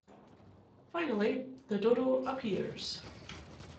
Finally, the Dodo appears.